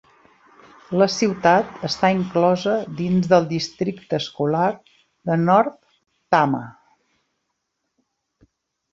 La ciutat està inclosa dins del districte escolar de North Tama.